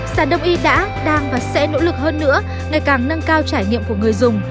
sản đông y đã đang và sẽ nỗ lực hơn nữa ngày càng nâng cao trải nghiệm của người dùng